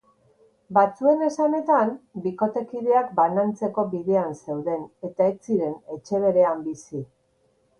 Batzuen esanetan, bikotekideak banantzeko bidean zeuden eta ez ziren etxe berean bizi.